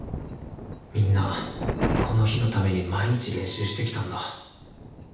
みんなこの日のために毎日練習してきたんだ。